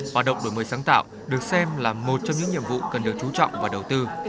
hoạt động đổi mới sáng tạo được xem là một trong những nhiệm vụ cần được chú trọng và đầu tư